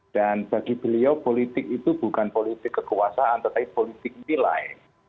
dan bagi beliau politik itu bukan politik kekuasaan tetapi politik nilai